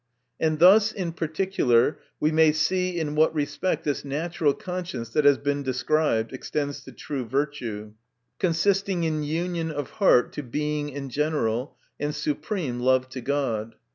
And thus, in particular, we may see in what respect this natural conscience that has been described, extends to true virtue, consisting in union of heart to Being in general, and supreme love to God.